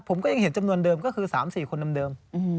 ผมก็ยังเห็นจำนวนเดิมก็คือ๓๔คนเดิม